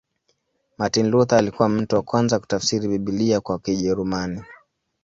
Martin Luther alikuwa mtu wa kwanza kutafsiri Biblia kwa Kijerumani.